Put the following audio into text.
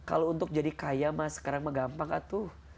kalau untuk jadi kaya mas sekarang mah gampang kah tuh